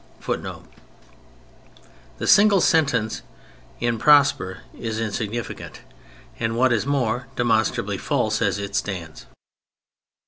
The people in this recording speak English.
[Footnote: The single sentence in Prosper is insignificant—and what is more, demonstrably false as it stands.